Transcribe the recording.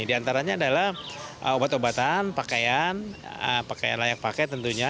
di antaranya adalah obat obatan pakaian pakaian layak pakai tentunya